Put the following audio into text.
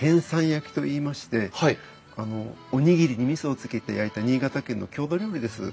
焼きといいましておにぎりにみそをつけて焼いた新潟県の郷土料理です。